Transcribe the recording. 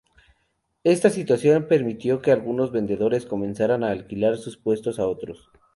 Esta situación permitió que algunos vendedores comenzaran a alquilar sus puestos a otros.